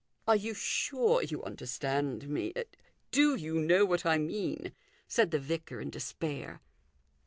" Are you sure you understand me ? Do you know what I mean ?" said the vicar in despair.